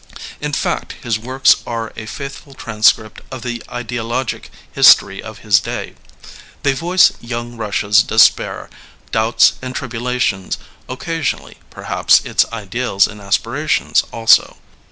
In fact his works are a faithful transcript of the ideologic history of his day. They voice Young Russia's despair, doubts, and tribulations, occasion i LEONID ANDREYEV 11 ally, perhaps, its ideals and aspirations, also.